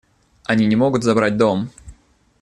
Они не могут забрать дом.